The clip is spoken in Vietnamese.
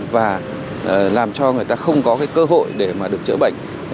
và làm cho người ta không có cơ hội để bán